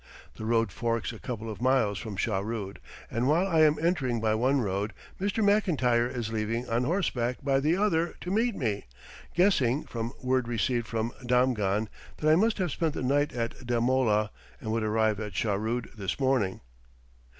The road forks a couple of miles from Shahrood, and while I am entering by one road, Mr. McIntyre is leaving on horseback by the other to meet me, guessing, from word received from Damghan, that I must have spent last night at Deh Mollah, and would arrive at Shahrood this morning.